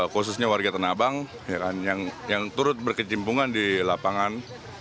khususnya warga tanah abang yang turut berkecimpungan di lapangan